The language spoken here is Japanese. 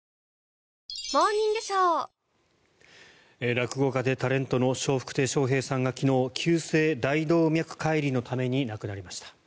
⁉落語家でタレントの笑福亭笑瓶さんが昨日、急性大動脈解離のために亡くなりました。